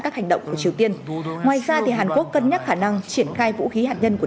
các hành động của triều tiên ngoài ra hàn quốc cân nhắc khả năng triển khai vũ khí hạt nhân của